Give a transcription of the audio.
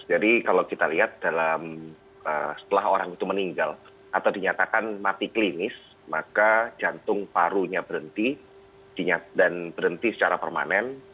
jadi kalau kita lihat dalam setelah orang itu meninggal atau dinyatakan mati klinis maka jantung parunya berhenti dan berhenti secara permanen